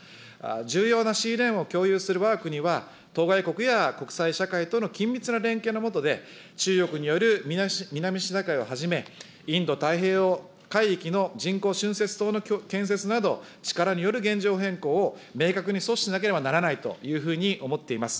重要なシーレーンを共有するわが国は、当該国や国際社会との緊密な連携の下で、中国による南シナ海をはじめ、インド太平洋海域の人工しゅんせつ島の建設など、力による現状変更を明確に阻止しなければならないというふうに思っています。